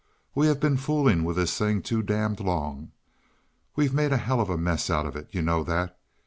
We've been fooling with this thing too damned long. We've made a hell of a mess of it, you know that."